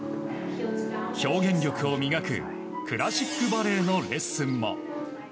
表現力を磨くクラシックバレエのレッスンも。